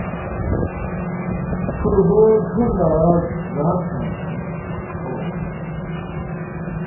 تھُورگو تھُور لہ زان تان٘ین سونگس